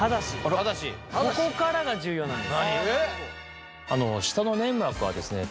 ここからが重要なんです。